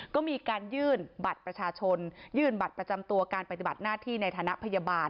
ก็มีการยื่นบัตรประชาชนยื่นบัตรประจำตัวการปฏิบัติหน้าที่ในฐานะพยาบาล